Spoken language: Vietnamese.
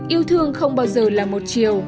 yêu thương không bao giờ là một chiều